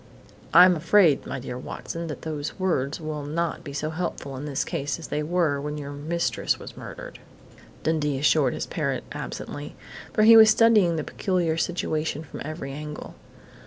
"I'm afraid, 'my dear Watson,' that those words will not be so helpful in this case as they were when your mistress was murdered," Dundee assured his parrot absently, for he was studying the peculiar situation from every angle.